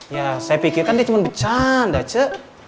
ya saya pikir kan dia cuma bercanda ce